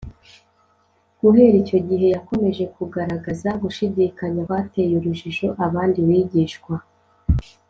guhera icyo gihe yakomeje kugaragaza gushidikanya kwateye urujijo abandi bigishwa